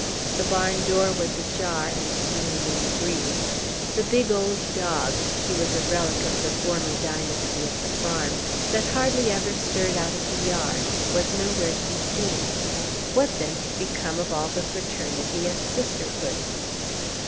The barn door was ajar, and swinging in the breeze. The big old dog, he was a relic of the former dynasty of the farm, that hardly ever stirred out of the yard, was nowhere to be seen. What, then, had become of all the fraternity and sisterhood?